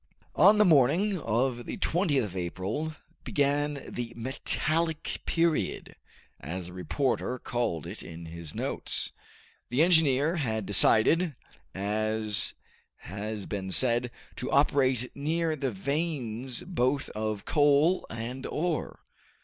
On the morning of the 20th of April began the "metallic period," as the reporter called it in his notes. The engineer had decided, as has been said, to operate near the veins both of coal and ore.